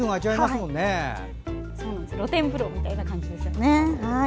露天風呂みたいな感じですね。